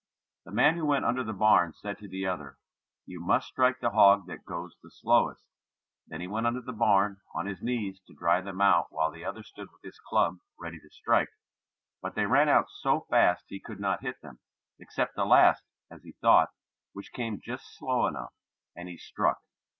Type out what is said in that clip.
The man who went under the barn said to the other, you must strike the hog that goes the slowest; then he went under the barn on his knees to drive them out while the other stood with his club ready to strike, but they ran out so fast he could not hit them, except the last as he thought, which came just slow enough, and he struck.